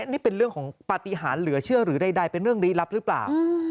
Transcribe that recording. นี่เป็นเรื่องของปฏิหารเหลือเชื่อหรือใดเป็นเรื่องลี้ลับหรือเปล่า